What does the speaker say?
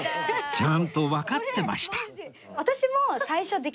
ちゃんとわかってました